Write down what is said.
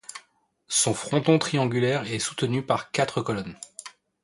Son fronton triangulaire est soutenu par quatre colonnes.